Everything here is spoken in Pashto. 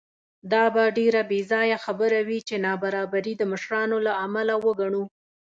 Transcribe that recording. دا به ډېره بېځایه خبره وي چې نابرابري د مشرانو له امله وګڼو.